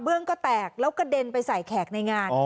ก็แตกแล้วกระเด็นไปใส่แขกในงาน